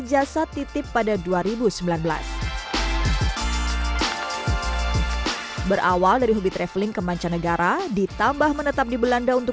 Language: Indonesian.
jasa titip pada dua ribu sembilan belas berawal dari hobi traveling ke mancanegara ditambah menetap di belanda untuk